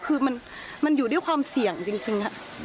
คือมันอยู่ด้วยความเสี่ยงจริง